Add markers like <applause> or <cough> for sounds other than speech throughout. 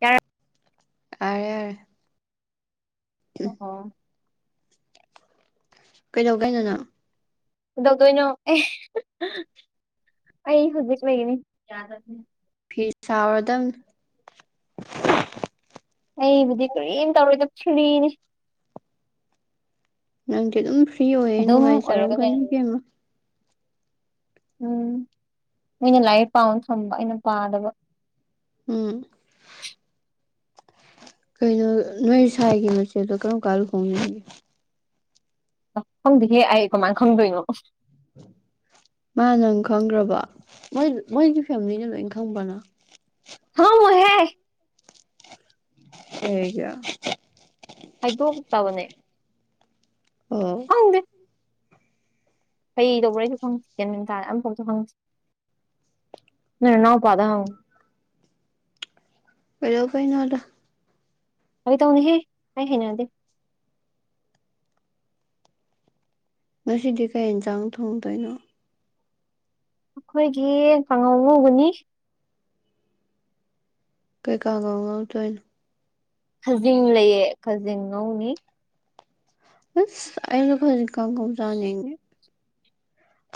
ꯌꯥꯔꯦ ꯑꯔꯦꯑꯔꯦ ꯑꯣ ꯑꯣ ꯀꯩꯗꯧꯒꯦ ꯍꯥꯢꯅꯣ ꯅꯪ ꯀꯩꯗꯧꯗꯣꯏꯅꯣ ꯑꯦ ꯑꯩ ꯍꯧꯖꯤꯛ ꯂꯩꯅꯤ ꯌꯥ <unintelligible> ꯐꯤ ꯁꯥꯎꯔꯗꯝꯅꯤ ꯑꯩꯕꯨꯗꯤ ꯀꯔꯤꯝ ꯇꯧꯔꯣꯢꯗ ꯐ꯭ꯔꯤꯅꯤ ꯅꯪꯗꯤ ꯑꯗꯨꯝ ꯐ꯭ꯔꯤ ꯑꯣꯏꯌꯦ ꯑꯗꯨꯝ ꯑꯣꯏꯔꯒ ꯅꯨꯡꯉꯥꯏꯖꯔꯝꯒꯅꯤ ꯂꯩꯔꯦ ꯢꯕꯦꯝꯃ ꯎꯝ ꯅꯣꯏꯅ ꯂꯥꯏꯔꯤꯛ ꯄꯥꯎꯅ ꯊꯝꯕ ꯑꯩꯅ ꯄꯥꯗꯕ ꯎꯝ <unintelligible> ꯀꯩꯅꯣ ꯅꯣꯏ ꯁꯋꯥꯥꯏꯒꯤ ꯃꯆꯦꯗꯣ ꯀꯔꯝ ꯀꯥꯟꯗ ꯂꯨꯍꯣꯡꯅꯤ ꯍꯥꯢꯅꯣ ꯈꯪꯗꯦꯍꯦ ꯑꯩ ꯀꯃꯥꯢ ꯈꯪꯗꯣꯏꯅꯣ ꯃꯥ ꯅꯪ ꯈꯪꯒ꯭ꯔꯥꯕꯣ ꯃꯣꯏ ꯃꯣꯏꯒꯤ ꯐꯦꯃꯤꯂꯤꯅ ꯂꯣꯏ ꯈꯪꯕ꯭ꯔꯣ ꯅꯪ ꯈꯪꯉꯝꯃꯣꯏꯍꯦ ꯀꯩꯒꯤ ꯍꯥꯏꯗꯣꯛꯇꯕꯅꯦ ꯑꯣ ꯈꯪꯗꯦ ꯀꯩ ꯇꯧꯕ꯭ꯔꯥꯖꯨ ꯈꯪꯗꯦ ꯒ꯭ꯌꯥꯟ ꯃꯦꯟ ꯇꯥ ꯑꯝꯐꯥꯎꯁꯨ ꯍꯪꯗꯦ ꯅꯣꯏ ꯅꯅꯥꯎꯄꯥꯗ ꯍꯪ ꯀꯩꯗꯧꯗꯣꯏꯅꯣꯗ ꯐꯥꯒꯤ ꯇꯧꯅꯦꯍꯦ ꯑꯩ ꯍꯩꯅꯗꯦ ꯉꯁꯤꯗꯤ ꯀꯩ ꯌꯦꯟꯖꯥꯡ ꯊꯣꯡꯗꯣꯏꯅꯣ ꯑꯩꯈꯣꯏꯒꯤ ꯀꯥꯡꯉꯧꯉꯧꯒꯅꯤ ꯀꯩ ꯀꯥꯡꯉꯧ ꯉꯧꯗꯣꯏꯅꯣ ꯈꯖꯤꯡ ꯂꯩꯌꯦ ꯈꯖꯤꯡ ꯉꯧꯅꯤ ꯑꯁ ꯑꯩꯖꯨ ꯈꯖꯤ ꯀꯥꯉꯧ ꯆꯅꯤꯡꯉꯦ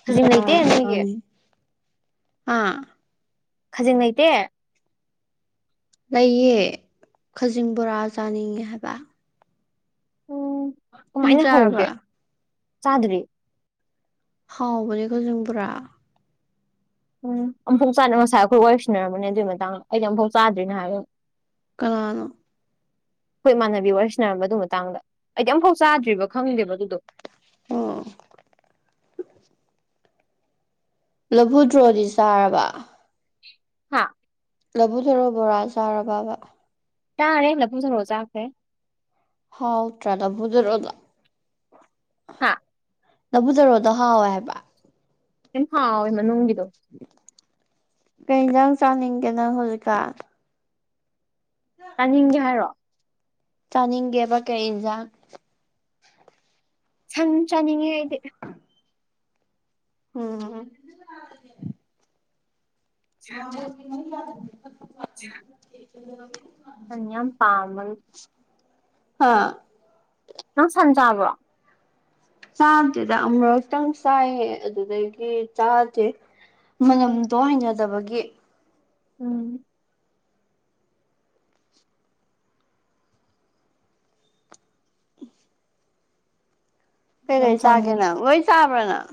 ꯈꯖꯤꯡ ꯂꯩꯇꯦ ꯅꯣꯏꯒꯤ <unintelligible> ꯍꯥ ꯈꯖꯤꯡ ꯂꯩꯇꯦ ꯂꯩꯌꯦ ꯈꯖꯤꯡ ꯕꯣꯔꯥ ꯆꯥꯅꯤꯡꯉꯦ ꯍꯥꯏꯕ ꯎꯝ ꯅꯪ ꯀꯃꯥꯏꯅ ꯍꯧꯒꯦ ꯆꯥꯔꯕ ꯆꯥꯗ꯭ꯔꯤ ꯍꯥꯎꯕꯅꯦ ꯈꯖꯤꯡ ꯕꯨꯔꯥ ꯎꯝ ꯑꯝꯐꯣꯛ ꯆꯥꯅ ꯉꯁꯥꯏ ꯑꯩꯈꯣꯏ ꯋꯥꯔꯤꯁꯤꯟꯅꯔꯝꯕꯅꯦ ꯑꯗꯨꯏ ꯃꯇꯥꯡꯗ ꯑꯩꯗꯤ ꯑꯝꯐꯥꯎ ꯆꯥꯗ꯭ꯔꯤꯅ ꯍꯥꯏꯕ ꯀꯅꯥꯅꯣ ꯑꯩꯈꯣꯏ ꯏꯃꯥꯅꯕꯤ ꯋꯥꯔꯤꯁꯤꯟꯅꯔꯝꯕ ꯑꯗꯨ ꯃꯇꯥꯡꯗ ꯑꯩꯗꯤ ꯑꯝꯐꯥꯎ ꯆꯥꯗ꯭ꯔꯤꯕ ꯈꯪꯗꯦꯕ ꯑꯗꯨꯗꯣ ꯑꯣ ꯂꯐꯨꯗ꯭ꯔꯣꯗꯤ ꯆꯥꯔꯕ ꯍꯥꯥ ꯂꯕꯨꯊꯔꯣ ꯕꯣꯔꯥ ꯆꯥꯔꯕꯕꯥ ꯆꯥꯔꯦ ꯂꯐꯨ ꯊꯔꯣ ꯆꯥꯈ꯭ꯔꯦ ꯍꯥꯎ ꯇ꯭ꯔꯥ ꯂꯐꯨꯊꯔꯣꯗꯣ ꯍꯥꯥ ꯂꯐꯨ ꯊꯔꯣꯗꯣ ꯍꯥꯎꯋꯦ ꯍꯥꯏꯕ ꯇꯤꯟ ꯍꯥꯎꯋꯦ ꯃꯅꯨꯡꯒꯤꯗꯣ ꯀꯩ ꯏꯟꯖꯥꯡ ꯆꯥꯅꯤꯡꯒꯦ ꯅꯪꯍꯧꯖꯤꯛꯀꯥꯟ ꯇꯥꯅꯤꯡꯉꯦ ꯍꯥꯏꯔꯣ ꯆꯥꯅꯤꯡꯒꯦꯕ ꯀꯩ ꯏꯟꯖꯥꯡ ꯁꯪ ꯆꯥꯅꯤꯡꯉꯦ ꯑꯩꯗꯤ ꯎꯝ <unintelligible> <inaudible> ꯁꯟ ꯌꯥꯝ ꯄꯥꯝꯕꯅꯤ ꯍꯥ ꯅꯪ ꯁꯟꯆꯥꯕ꯭ꯔꯣ ꯆꯥꯗꯦꯗ ꯑꯃꯨꯔꯛꯇꯪ ꯆꯥꯏꯌꯦ ꯑꯗꯨꯗꯒꯤ ꯆꯥꯗꯦ ꯃꯅꯝꯗꯣ ꯍꯩꯅꯗꯕꯒꯤ ꯎꯝ ꯌꯥꯝ ꯀꯩꯀꯩ ꯆꯥꯒꯦ ꯆꯥꯅꯤꯡꯉꯦ ꯅꯪ ꯂꯣꯏ ꯆꯥꯕ꯭ꯔ ꯅꯪ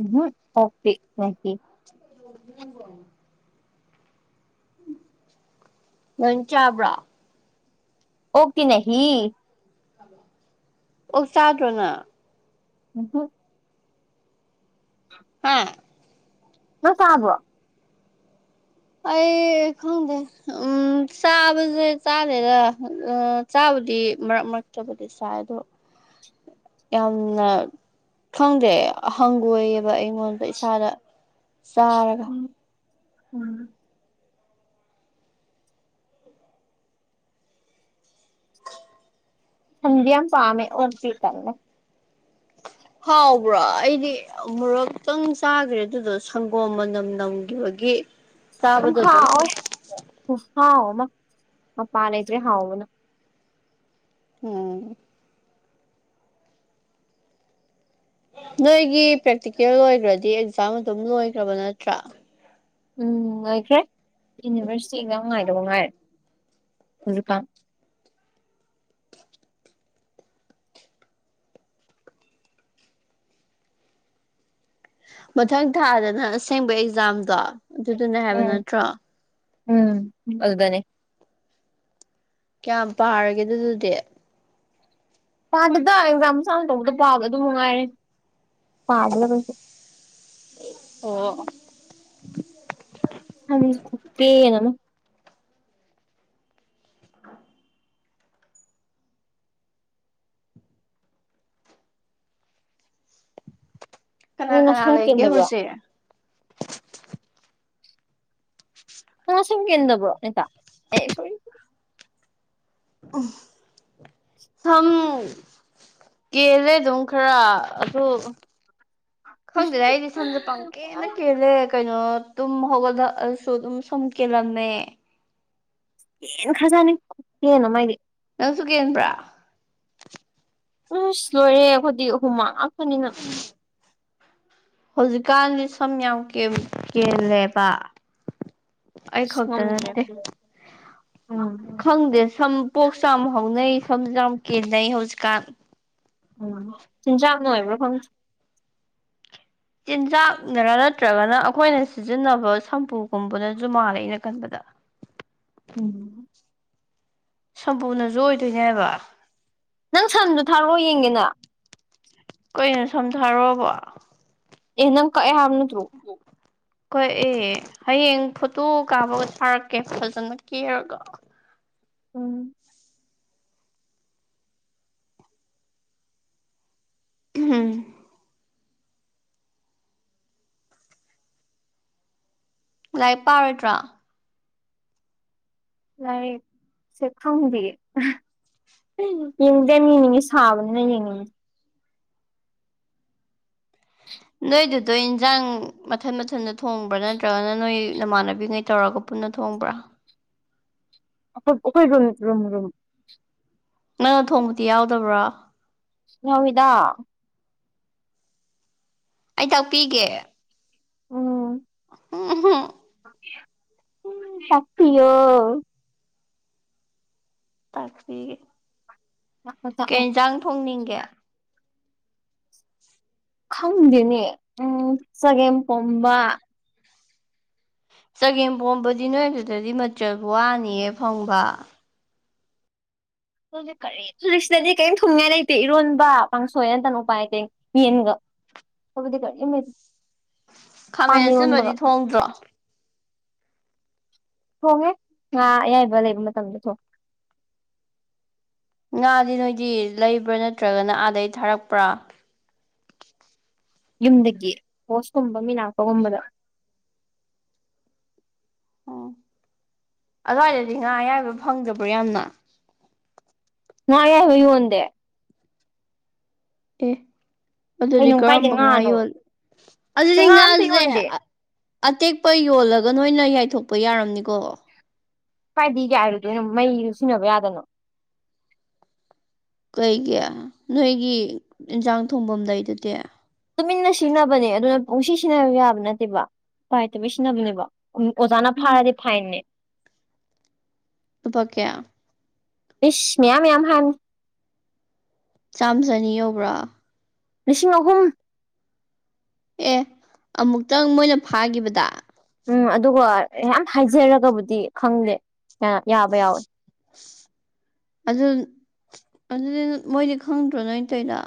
ꯎꯝ ꯍꯨꯝ ꯑꯣꯛꯇꯤ ꯅꯍꯤ <unintelligible> ꯂꯣꯏꯅ ꯆꯥꯥꯕ꯭ꯔꯣ ꯑꯣꯛꯇꯤ ꯅꯍꯤ ꯑꯣꯛ ꯆꯥꯗ꯭ꯔꯣ ꯅꯪ ꯎꯝ ꯍꯨꯝ <inaudible> ꯍꯥ ꯅꯪ ꯆꯥꯕ꯭ꯔꯣ ꯑꯩ ꯈꯪꯗꯦ ꯎꯝ ꯆꯥꯕꯁꯦ ꯆꯥꯗꯦꯗ ꯎꯝ ꯆꯥꯕꯨꯗꯤ ꯃꯔꯛ -ꯃꯔꯛꯇꯕꯨꯗꯤ ꯆꯥꯏ ꯑꯗꯣ <inaudible> ꯌꯥꯝꯅ ꯈꯪꯗꯦ ꯍꯪꯒꯣꯏꯌꯦꯕ ꯑꯩꯉꯣꯟꯗ ꯏꯁꯥꯗ ꯆꯥꯔꯒ ꯎꯝ ꯎꯝ ꯁꯟꯗꯤ ꯌꯥꯝ ꯄꯥꯃꯦ ꯑꯣꯛꯇꯤ ꯇꯜꯂꯦ ꯍꯥꯎꯕ꯭ꯔꯣ ꯑꯩꯗꯤ ꯑꯃꯨꯔꯛꯇꯪ ꯆꯥꯈ꯭ꯔꯦ ꯑꯗꯨꯗꯣ ꯁꯪꯒꯣꯝ ꯃꯅꯝ ꯅꯝꯈꯤꯕꯒꯤ ꯒꯤ ꯌꯥꯝ ꯍꯥꯎꯑꯦ ꯈꯨꯍꯥꯎ ꯑꯝ ꯂꯩꯇ꯭ꯔꯦ ꯍꯥꯎꯕꯅ ꯎꯝ ꯅꯣꯏꯒꯤ ꯄ꯭ꯔꯦꯛꯇꯤꯀꯦꯜ ꯂꯣꯏꯒ꯭ꯔꯗꯤ ꯑꯦꯛꯖꯥꯝ ꯑꯗꯨꯝ ꯂꯣꯏꯈ꯭ꯔꯕ ꯅꯠꯇ꯭ꯔꯥ ꯎꯝ ꯂꯣꯏꯈ꯭ꯔꯦ ꯌꯨꯅꯤꯚꯔꯁꯤꯇꯤ ꯑꯦꯛꯖꯥꯝ ꯉꯥꯏꯗꯧ ꯉꯥꯏꯔꯦ ꯍꯧꯖꯤꯛꯀꯥꯟ ꯃꯊꯪ ꯊꯥꯗꯅ ꯑꯁꯦꯡꯕ ꯑꯦꯛꯖꯥꯝꯗꯣ ꯑꯗꯨꯗꯨꯅꯤ ꯍꯥꯏꯕ ꯎꯝ ꯅꯠꯇ꯭ꯔꯣ ꯎꯝ ꯑꯗꯨꯗꯅꯦ ꯀꯌꯥꯝ ꯄꯥꯔꯒꯦ ꯑꯗꯨꯗꯨꯗꯤ ꯄꯥꯗꯦꯗ ꯑꯦꯛꯖꯥꯝ ꯁꯥꯡꯅ ꯇꯧꯕꯗ ꯄꯥꯕꯗ ꯑꯗꯨ ꯃꯉꯥꯏꯔꯦ ꯄꯥꯗꯦꯗ ꯀꯩꯁꯨ ꯑꯣ ꯁꯝꯁꯤꯖꯨ ꯈꯨꯠꯀꯦꯟ ꯑꯃ ꯀꯅꯥ ꯅꯪ ꯀꯅꯥ ꯅꯁꯥ ꯂꯩꯒꯦ ꯀꯦꯟꯗꯕ꯭ꯔꯣ ꯍꯧꯖꯤꯛ ꯅꯪ ꯁꯝ ꯀꯦꯟꯗꯕ꯭ꯔꯣ <unintelligible> ꯁꯦꯔꯤ ꯑꯝ ꯁꯝ ꯀꯦꯜꯂꯦ ꯑꯗꯨꯝ ꯈꯔ ꯑꯗꯨ ꯈꯪꯗꯦꯗ ꯑꯩꯗꯤ ꯁꯝꯁꯦ ꯄꯪꯀꯦꯟ ꯀꯦꯜꯂꯦ ꯀꯩꯅꯣ ꯇꯨꯝ ꯍꯧꯒꯠꯂꯛꯑꯁꯨ ꯑꯗꯨꯝ ꯁꯝ ꯀꯦꯜꯂꯝꯃꯦ ꯀꯦꯟꯈ꯭ꯔꯖꯠꯅꯤ ꯈꯨꯠꯀꯦꯟ ꯑꯃ ꯅꯪꯁꯨꯨ ꯀꯦꯟꯕ꯭ꯔꯥ ꯑꯨꯁ ꯂꯣꯏꯔꯦ ꯑꯩꯈꯣꯏꯗꯤ ꯍꯨꯃꯥꯟ ꯉꯥꯛꯇꯅꯤꯅ ꯍꯧꯖꯤꯛꯀꯥꯟꯗꯤ ꯁꯝ ꯌꯥꯝ ꯀꯦꯜ-ꯀꯦꯜꯂꯦꯕ ꯑꯁ ꯑꯩꯈꯛꯇ ꯉꯝꯗ꯭ꯔꯦ ꯅꯠꯇꯦ ꯎꯝ ꯈꯪꯗꯦ ꯁꯝ ꯄꯣꯛꯁꯨ ꯌꯥꯝ ꯍꯧꯅꯩ ꯁꯝꯖꯨ ꯌꯥꯝ ꯀꯦꯟꯅꯩ ꯍꯧꯖꯤꯛꯀꯥꯟ ꯎꯝ ꯆꯤꯟꯖꯥꯛꯅ ꯑꯣꯏꯕ꯭ꯔꯣ ꯈꯪꯗꯦ ꯆꯤꯟꯖꯥꯛꯅꯔꯥ ꯅꯠꯇ꯭ꯔꯒꯅ ꯑꯩꯈꯣꯏꯅ ꯁꯤꯖꯤꯟꯅꯕ ꯁꯝꯄꯨꯒꯨꯝꯕꯅꯁꯨ ꯃꯥꯥꯜꯂꯦ ꯑꯩꯅ ꯈꯟꯕꯗ ꯎꯝ ꯁꯝꯄꯨꯅꯁꯨ ꯑꯣꯏꯗꯣꯏꯅꯦ ꯍꯥꯢꯕ ꯅꯪ ꯁꯝꯗꯨ ꯊꯥꯔꯛꯑꯣ ꯌꯦꯡꯒꯦꯅ ꯀꯩꯅꯣ ꯁꯥꯝ ꯊꯥꯔꯛꯑꯣꯕꯣ ꯑꯦ ꯅꯪ ꯀꯛꯑꯦ ꯍꯥꯏꯕ ꯅꯠꯇ꯭ꯔꯣ ꯀꯛꯑꯦ ꯍꯌꯦꯡ ꯐꯣꯇꯣ ꯀꯥꯞꯄꯒ ꯊꯥꯔꯛꯀꯦ ꯐꯖꯅ ꯀꯦꯔꯒ ꯎꯝ ꯎꯝ ꯂꯥꯏꯔꯤꯛ ꯄꯥꯔꯣꯏꯗ꯭ꯔꯣ ꯂꯥꯏꯔꯤꯛꯁꯦ ꯈꯪꯗꯦꯌꯦ ꯌꯦꯡꯗꯦ ꯌꯥꯝ ꯌꯦꯡꯅꯤꯡꯉꯤ ꯁꯥꯕꯅꯤꯅ ꯌꯦꯡꯅꯤꯡꯉꯤ ꯅꯣꯏꯗꯨꯗꯣ ꯏꯟꯖꯥꯡ ꯃꯊꯟ ꯃꯊꯟꯗ ꯊꯣꯡꯕ꯭ꯔꯥ ꯅꯠꯇ꯭ꯔꯒꯅ ꯅꯣꯏ ꯅꯃꯥꯟꯅꯕꯤꯉꯩ ꯇꯧꯔꯒ ꯄꯨꯟꯅ ꯊꯣꯡꯕ꯭ꯔꯥ ꯈꯣꯏ ꯑꯣꯈꯣꯏ ꯔꯣ ꯔꯨꯝ ꯔꯨꯝ ꯅꯪꯅ ꯊꯣꯡꯕꯗꯤ ꯌꯥꯎꯗꯕ꯭ꯔꯣ꯫ ꯌꯥꯎꯋꯤꯗ ꯑꯩ ꯇꯥꯛꯄꯤꯒꯦ꯫ <unintelligible> ꯎ ꯇꯥꯛꯄꯤꯌꯣ <unintelligible> ꯇꯥꯛꯑꯣ ꯀꯩ ꯇꯥꯛꯑꯣ ꯌꯦꯟꯖꯥꯡ ꯊꯣꯡꯅꯤꯡꯒꯦ ꯈꯪꯗꯦꯅꯦ ꯎꯝ ꯆꯒꯦꯝ ꯄꯣꯝꯕ ꯆꯒꯦꯝ ꯄꯣꯝꯕꯗꯤ ꯅꯣꯏ ꯑꯗꯨꯗꯗꯤ ꯃꯆꯜ ꯋꯥꯅꯤꯌꯦ ꯐꯪꯕ꯫ ꯑꯗꯨꯗꯤ ꯀꯔꯦ <unintelligible> ꯁꯤꯗꯗꯤ ꯀꯔꯤꯝ ꯊꯣꯡꯅꯤꯉꯥꯏ ꯂꯩꯇꯦ ꯏꯔꯣꯟꯕ ꯀꯥꯡꯁꯣꯏ ꯅꯠꯇꯅ ꯎꯄꯥꯏ ꯂꯩꯇꯦ ꯌꯦꯟꯒ꯫ <unintelligible> ꯄꯥꯟ ꯈꯥꯃꯦꯟ ꯏꯔꯣꯟꯕꯒ ꯑꯁꯤꯟꯕꯗꯤ ꯊꯣꯡꯗ꯭ꯔꯣ ꯊꯣꯡꯉꯦ ꯉꯥ ꯑꯌꯥꯏꯕ ꯂꯩꯕ ꯃꯇꯝꯗ ꯊꯣꯡꯉꯦ ꯉꯥꯗꯤ ꯅꯣꯏꯗꯤ ꯂꯩꯕ꯭ꯔꯥ ꯅꯠꯇ꯭ꯔꯒꯅ ꯑꯥꯗꯩꯩ ꯊꯥꯔꯛꯄ꯭ꯔꯥ꯫ ꯌꯨꯝꯗꯒꯤ ꯄꯣꯁꯀꯨꯝꯕ ꯃꯤ ꯂꯥꯛꯄꯒꯨꯝꯕꯗ꯫ ꯑꯣ ꯑꯗꯨꯋꯥꯏꯗꯗꯤ ꯉꯥ ꯑꯌꯥꯏꯕ ꯐꯪꯗꯕ꯭ꯔꯣ ꯌꯥꯝꯅ꯫ ꯉꯥ ꯑꯌꯥꯏꯕ ꯌꯣꯟꯗꯦ꯫ ꯑꯦ ꯑꯗꯨꯗꯤ ꯀꯩꯅꯣ ꯀꯥꯏꯗ ꯀꯔꯝꯕ ꯉꯥ ꯉꯥꯅꯣ ꯌꯣꯜꯂꯤ ꯁꯤꯗ ꯑꯗꯨꯗꯤ ꯉꯥ ꯑꯝꯇ ꯉꯥꯁꯦ꯫ ꯌꯣꯟꯗꯦ ꯑꯇꯦꯛꯄ ꯌꯣꯜꯂꯒ ꯅꯣꯏꯅ ꯌꯥꯏꯊꯣꯛꯄ ꯌꯥꯔꯝꯅꯤꯀꯣ ꯀꯥꯏꯗꯩꯩ ꯌꯥꯏꯔꯨꯗꯣꯏꯅꯣ ꯃꯩꯁꯨ ꯁꯤꯖꯤꯟꯅꯕ ꯌꯥꯗꯅꯣ ꯀꯩꯒꯤ ꯅꯣꯏꯒꯤ ꯏꯟꯖꯥꯡ ꯊꯣꯡꯐꯝ ꯂꯩꯗꯨꯗꯤ꯫ ꯇꯨꯃꯤꯟꯅ ꯁꯤꯖꯤꯟꯅꯕꯅꯦ ꯑꯗꯨꯅ ꯄꯨꯡꯁꯤ ꯁꯤꯖꯤꯟꯅꯕ ꯌꯥꯕ ꯅꯠꯇꯦꯕ ꯎ ꯂꯩꯇꯕꯩ ꯁꯤꯖꯤꯟꯅꯕꯅꯦꯕ꯫ ꯑꯣꯖꯥꯅ ꯐꯥꯔꯥꯗꯤ ꯐꯥꯏꯟꯅꯦ꯫ ꯂꯨꯄꯥ ꯀꯌꯥ ꯎꯁ ꯃꯌꯥꯝ ꯃꯌꯥꯝ ꯍꯥꯏ꯫ ꯆꯥꯝꯃ ꯆꯅꯤ ꯌꯧꯕ꯭ꯔꯥ꯫ ꯂꯤꯁꯤꯡ ꯑꯍꯨꯝ ꯑꯦ ꯑꯃꯨꯛꯇꯪ ꯃꯣꯏꯅ ꯐꯥꯈꯤꯕꯗ ꯎꯝ ꯑꯗꯨꯒ ꯌꯥꯝ ꯍꯥꯏꯖꯔꯒꯕꯨꯗꯤ ꯈꯪꯗꯦ ꯌꯥꯕ ꯌꯥꯎꯋꯦ꯫ ꯑꯗꯨ ꯑꯗꯨꯗꯤ ꯃꯣꯏꯗꯤ ꯈꯪꯗ꯭ꯔꯣ ꯅꯣꯏ ꯇꯧꯔꯤꯗꯣ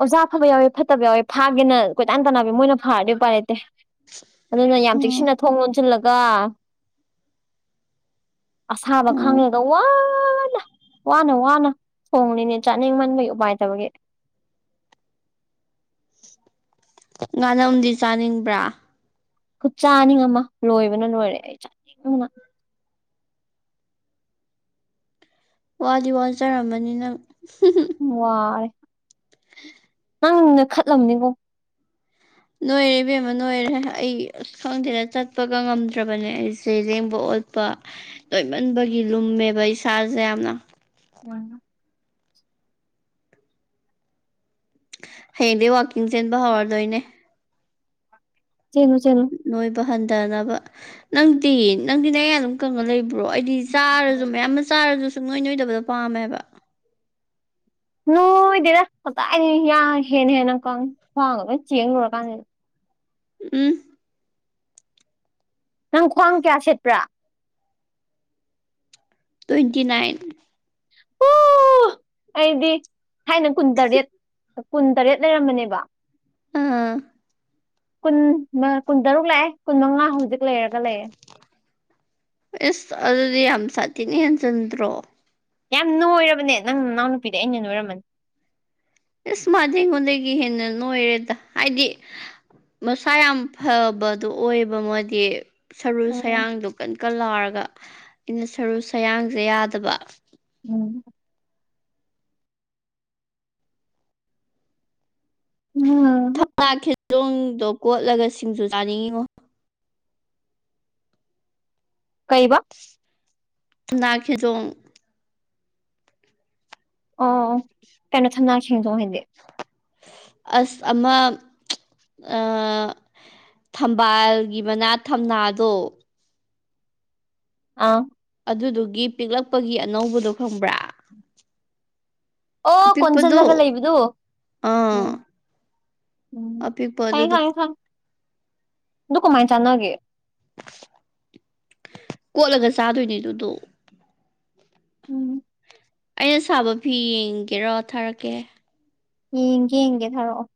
ꯑꯣꯖꯥ ꯑꯐꯕ ꯌꯥꯎꯋꯦ ꯐꯠꯇꯕ ꯌꯥꯎꯋꯦ ꯐꯥꯒꯦꯅ ꯀꯣꯏꯇꯥꯟ ꯇꯥꯟꯅꯕꯤ ꯃꯣꯏꯅ ꯐꯥꯔꯗꯤ ꯎꯄꯥꯏ ꯂꯩꯇꯦ꯫ ꯑꯗꯨꯅ ꯌꯥꯝ ꯆꯦꯛꯁꯤꯟꯅ ꯊꯣꯡ ꯂꯣꯟꯁꯤꯜꯂꯒ ꯑꯁꯥꯕ ꯎꯝ ꯈꯥꯡꯉꯤꯕ ꯋꯥꯅ꯫ ꯋꯥꯅ ꯋꯥꯅ ꯊꯣꯡꯂꯤꯅꯦ ꯆꯥꯅꯤꯡꯃꯟꯕꯒꯤ ꯎꯄꯥꯏꯇꯕꯒꯤ ꯉꯥꯅꯝꯗꯤ ꯆꯥꯅꯤꯡꯕ꯭ꯔꯥ ꯈꯨꯠꯆꯥꯅꯤꯡ ꯑꯃ ꯂꯣꯏꯕꯅ ꯂꯣꯏꯔꯦ ꯑꯩ ꯆꯥꯅꯤꯡꯕꯅ꯫ ꯋꯥꯗꯤ ꯋꯥꯟꯖꯔꯝꯃꯅꯤ ꯅꯪ ꯋꯥꯏ ꯅꯪ ꯅꯣꯏꯈꯠꯂꯝꯃꯤꯕꯣ ꯅꯣꯏꯔꯦ ꯏꯕꯦꯝꯃ ꯅꯣꯏꯔꯦ ꯑꯩ ꯑꯁ ꯈꯪꯗꯦꯅ ꯆꯠꯄꯒ ꯉꯝꯗ꯭ꯔꯕꯅꯦ ꯑꯩꯁꯦ ꯂꯦꯡꯕ ꯑꯣꯠ ꯄ ꯅꯣꯏꯃꯟꯕꯒꯤ ꯂꯨꯝꯃꯦꯕ ꯏꯁꯥꯁꯦ ꯌꯥꯝꯅ <unintelligible> ꯍꯌꯦꯡꯗꯩ ꯋꯥꯛꯀꯤꯡ ꯆꯦꯟꯕ ꯍꯧꯔꯗꯣꯏꯅꯦ꯫ ꯆꯦꯂꯣ ꯆꯦꯂꯣ꯫ ꯅꯣꯏꯕ ꯍꯟꯗꯅꯕ ꯅꯪꯗꯤ ꯅꯪꯗꯤ ꯅꯌꯥ ꯑꯗꯨꯝ ꯀꯪꯉ ꯂꯩꯕ ꯕ꯭ꯔꯣ ꯑꯩꯗꯤ ꯆꯥꯔꯁꯨ ꯃꯌꯥꯝ ꯑꯃ ꯆꯥꯔꯁꯨ ꯁꯨꯡ ꯅꯣꯏ ꯅꯣꯏꯗꯕꯗꯣ ꯄꯥꯝꯃꯦꯕ꯫ ꯅꯣꯢꯗꯦꯗ ꯀꯗꯥꯢꯗꯩ ꯌꯥꯡ ꯍꯦꯟꯅ ꯍꯦꯟꯅ ꯀꯪ ꯈ꯭ꯋꯥꯡ ꯒ ꯂꯣꯢ ꯆꯦꯡ ꯂꯣꯢꯔꯀꯥꯟꯁꯤꯗ꯫ ꯎꯝ꯫ ꯅꯪ ꯈ꯭ꯋꯥꯡ ꯀꯌꯥ ꯁꯦꯠꯄ꯭ꯔꯥ꯫ Twenty nine. ꯑꯣ ꯑꯩꯗꯤ ꯊꯥꯏꯅ ꯀꯨꯟꯇꯔꯦꯠ ꯀꯨꯟꯇꯔꯦꯠ ꯂꯩꯔꯝꯕꯅꯦꯕ꯫ ꯑꯥ꯫ ꯀꯨꯟ ꯃ ꯀꯨꯟꯇꯔꯨꯛ ꯂꯥꯛꯑꯦ ꯀꯨꯟ ꯃꯉꯥ ꯍꯧꯖꯤꯛ ꯂꯩꯔꯒ ꯂꯩꯌꯦ꯫ ꯏꯁ ꯑꯗꯨꯗꯤ ꯌꯥꯝ ꯁꯥꯊꯤꯅ ꯍꯦꯟꯖꯟꯗ꯭ꯔꯣ꯫ ꯌꯥꯝ ꯅꯣꯏꯔꯕꯅꯦ ꯅꯪ ꯅꯅꯥꯎꯅ ꯅꯨꯄꯤꯗ ꯑꯩꯅ ꯍꯦꯟ ꯅꯣꯏꯔꯝꯃꯅꯤ꯫ ꯏꯁ ꯃꯥꯗꯤ ꯑꯩꯉꯣꯟꯗꯒꯤ ꯍꯦꯟꯅ ꯅꯣꯏꯔꯦꯗ ꯍꯥꯏꯗꯤ꯫ ꯃꯁꯥ ꯌꯥꯝ ꯐꯕꯗꯣ ꯑꯣꯏꯕ ꯃꯣꯏꯗꯤ꯫ ꯁꯔꯨ ꯎꯝ ꯁꯌꯥꯡꯗꯣ ꯀꯟ ꯀꯟ ꯂꯥꯎꯔꯒ ꯑꯩꯅ ꯁꯔꯨ ꯁꯌꯥꯡꯁꯦ ꯌꯥꯗꯕ꯫ ꯎꯝ꯫ <unintelligible> ꯊꯧꯅꯥ ꯈꯦꯖꯣꯡꯗꯣ ꯀꯣꯠꯂꯒ ꯁꯤꯡꯖꯨ ꯆꯥꯅꯤꯡꯉꯤꯉꯣ꯫ ꯀꯩꯕ꯫ ꯊꯝꯅꯥ ꯈꯦꯖꯣꯡ꯫ ꯑꯣ ꯀꯩꯅꯣ ꯊꯝꯅꯥ ꯈꯦꯟꯖꯣꯡꯗꯣ ꯍꯥꯏꯗꯤ꯫ ꯑꯁ ꯑꯃ ꯑ ꯊꯝꯕꯥꯜꯒꯤ ꯃꯅꯥ ꯊꯝꯅꯥꯗꯣ꯫ ꯑꯥ꯫ ꯑꯗꯨꯗꯨꯒꯤ ꯄꯤꯛꯂꯛꯄꯒꯤ ꯑꯅꯧꯕꯗꯣ ꯈꯪꯕ꯭ꯔꯥ꯫ ꯑꯣ ꯑꯄꯤꯛꯄꯗꯣ ꯀꯣꯟꯖꯤꯜꯂꯒ ꯂꯩꯕꯗꯨ ꯎꯝ꯫ ꯑꯥ ꯎꯝ ꯑꯄꯤꯛꯄ ꯈꯉꯦ ꯑꯗꯨꯗꯣ ꯈꯉꯦ ꯈꯪ ꯑꯗꯨ ꯀꯃꯥꯏꯟ ꯆꯥꯟꯅꯒꯦ꯫ ꯀꯣꯠꯂꯒ ꯆꯥꯗꯣꯏꯅꯦ ꯑꯗꯨꯗꯣ꯫ ꯎꯝ꯫ ꯑꯩꯅ ꯁꯥꯕ ꯐꯤ ꯌꯦꯡꯒꯦꯔꯣ ꯊꯥꯔꯛꯀꯦ꯫ ꯌꯦꯡꯒꯦ ꯌꯦꯡꯒꯦ ꯊꯥꯔꯛꯑꯣ꯫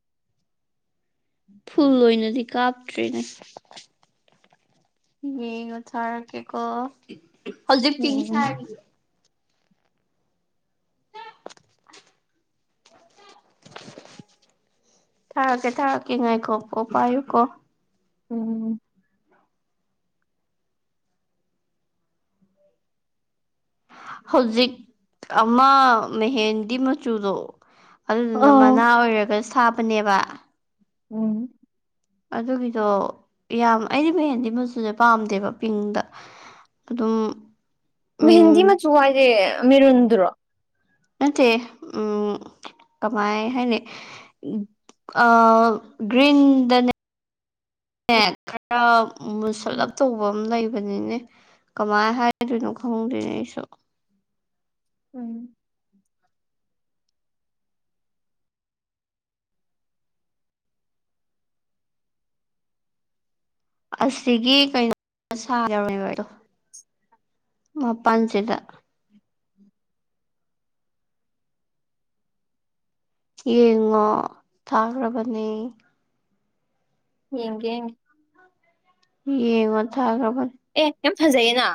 ꯐꯨꯜ ꯑꯣꯏꯅꯗꯤ ꯀꯥꯞꯇ꯭ꯔꯦꯅꯦ꯫ ꯌꯦꯉꯣ ꯊꯔꯛꯀꯦꯀꯣ ꯍꯧꯖꯤꯛ ꯄꯤꯡ ꯎꯝ ꯁꯥꯔꯤꯌꯦ꯫ ꯊꯥꯔꯛꯀꯦ ꯊꯥꯔꯛꯀꯦ ꯉꯥꯏꯈꯣꯀꯣ ꯄꯥꯏꯌꯨꯀꯣ꯫ ꯎꯝ꯫ ꯍꯧꯖꯤꯛ ꯑꯃ ꯃꯦꯍꯦꯟꯗꯤ ꯃꯆꯨꯗꯣ꯫ ꯑꯗꯨꯗꯨꯅ ꯑꯥ ꯃꯅꯥ ꯑꯣꯏꯔꯒ ꯁꯥꯕꯅꯦꯕ꯫ ꯎꯝ꯫ ꯑꯗꯨꯒꯤꯗꯣ ꯌꯥꯝ ꯑꯩꯗꯤ ꯃꯍꯦꯟꯗꯤ ꯃꯆꯨ ꯁꯦ ꯄꯥꯝꯗꯦꯕ ꯄꯤꯡꯗ꯫ ꯑꯗꯨꯝ ꯃꯍꯦꯟꯗꯤ ꯎꯝ ꯃꯆꯨ ꯍꯥꯏꯁꯦ ꯃꯤꯔꯨꯟꯗꯨꯔꯣ꯫ ꯅꯠꯇꯦ ꯎꯝ ꯀꯃꯥꯏ ꯍꯥꯏꯅꯤ꯫ ꯑ ꯒ꯭ꯔꯤꯟꯗꯅꯦ ꯅꯦ ꯈꯔ ꯎꯝ ꯃꯨꯁꯜꯂꯞ ꯇꯧ ꯕꯝ ꯂꯩꯕꯅꯤꯅꯦ ꯀꯃꯥꯏ ꯍꯥꯏꯗꯣꯏꯅꯣ ꯈꯪꯗꯦ ꯅꯦ ꯑꯩꯁꯨ꯫ ꯎꯝ꯫ ꯑꯁꯤꯒꯤ ꯀꯩꯅꯣ ꯑꯁꯥ ꯌꯥꯎꯔꯝꯃꯤꯕ ꯑꯩꯗꫭ ꯃꯄꯥꯜꯁꯤꯗ꯫ ꯌꯦꯡꯉꯣ ꯊꯥꯈ꯭ꯔꯕꯅꯦ꯫ ꯌꯦꯡꯒꯦ ꯌꯦꯡꯒꯦ ꯌꯦꯡꯉꯣ ꯊꯥꯈ꯭ꯔꯕ ꯑꯦ ꯌꯥꯝ ꯐꯖꯩꯌꯦꯅ